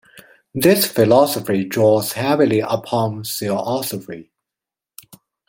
This philosophy draws heavily upon Theosophy.